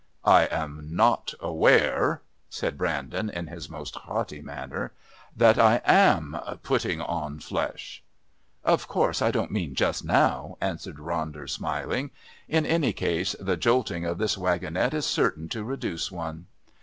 "I am not aware," said Brandon in his most haughty manner, "that I am putting on flesh." "Of course I don't mean just now," answered Ronder, smiling. "In any case, the jolting of this wagonette is certain to reduce one.